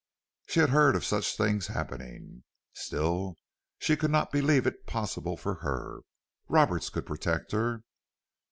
She had heard of such things happening. Still, she could not believe it possible for her. Roberts could protect her.